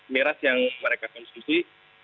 miras yang mereka konstruksi